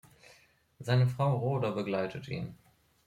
Seine Frau Rhoda begleitet ihn.